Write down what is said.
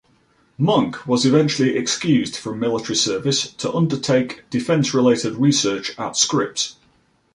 Munk was eventually excused from military service to undertake defense-related research at Scripps.